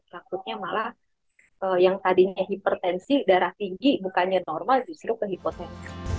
takutnya malah yang tadinya hipertensi darah tinggi bukannya normal justru ke hipotek